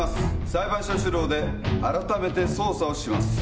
裁判所主導で改めて捜査をします。